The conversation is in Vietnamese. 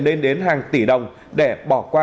nên đến hàng tỷ đồng để bỏ qua